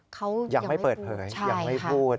เขายังไม่พูดใช่ค่ะยังไม่พูด